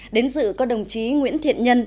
đến dự có đồng chí nguyễn thiện nhân